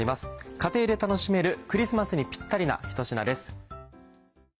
家庭で楽しめるクリスマスにぴったりなひと品です。